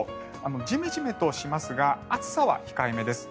ジメジメとしますが暑さは控えめです。